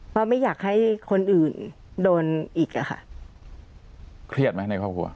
เพราะไม่อยากให้คนอื่นโดนอีกอะค่ะเครียดไหมในครอบครัว